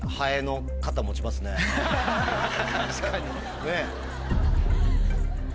確かにねぇ。